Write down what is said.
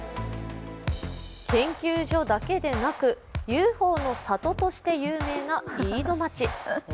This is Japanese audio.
研究所だけでなくＵＦＯの里として有名な飯野町。